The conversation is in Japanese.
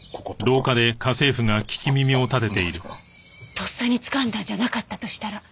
とっさにつかんだんじゃなかったとしたら。